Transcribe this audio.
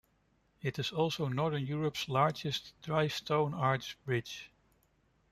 It is also Northern Europe's largest dry stone-arch bridge.